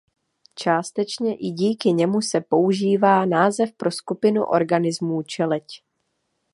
Částečně i díky němu se používá název pro skupinu organismů "čeleď".